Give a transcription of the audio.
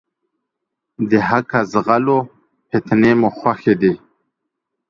د حقه ځغلو ، فتنې مو خوښي دي.